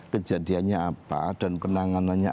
kejadiannya apa dan penanganannya